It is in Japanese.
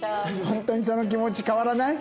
本当にその気持ち変わらない？